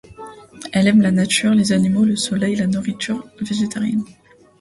Elle aime la nature, les animaux, le soleil, la nourriture végétarienne.